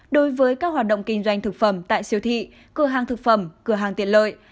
đối với các hoạt động kinh doanh thực phẩm tại siêu thị cửa hàng thực phẩm cửa hàng tiện lợi